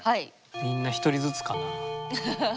みんな１人ずつかな。